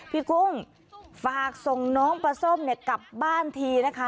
กุ้งฝากส่งน้องปลาส้มกลับบ้านทีนะคะ